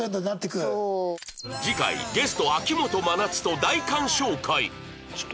次回ゲスト秋元真夏と大鑑賞会